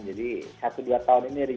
jadi satu dua tahun ini